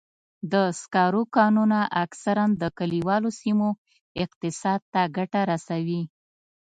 د سکرو کانونه اکثراً د کلیوالو سیمو اقتصاد ته ګټه رسوي.